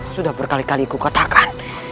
sudah berkali kali kukatakan